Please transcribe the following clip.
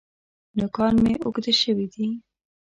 نوکان مي اوږده شوي دي .